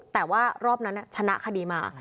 แต่ว่ารอบนั้นชนะคดีมา